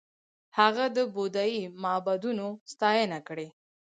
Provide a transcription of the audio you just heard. هغه د بودايي معبدونو ستاینه کړې